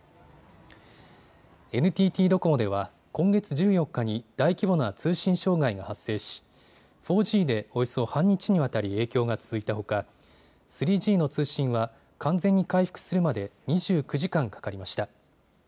ＮＴＴドコモでは今月１４日に大規模な通信障害が発生し４Ｇでおよそ半日にわたり影響が続いたほか３Ｇの通信は完全に回復するまで２９時間かかりました。